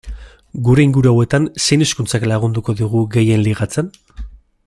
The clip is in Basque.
Gure inguru hauetan, zein hizkuntzak lagunduko digu gehien ligatzen?